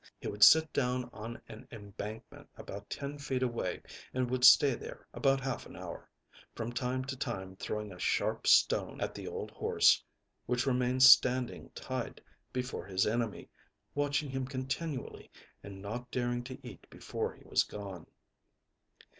He would sit down on an embankment about ten feet away and would stay there about half an hour, from time to time throwing a sharp stone at the old horse, which remained standing tied before his enemy, watching him continually and not daring to eat before he was gone.